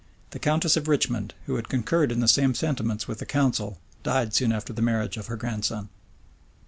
The countess of Richmond, who had concurred in the same sentiments with the council, died soon after the marriage of her grandson.